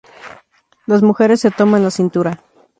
Las mujeres se toman la cintura.